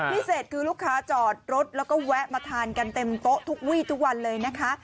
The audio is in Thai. พิเศษคือลูกค้าจอดรถแล้วก็แวะมาทานกันเต็มโต๊ะทุกวีทุกวันเลยนะคะ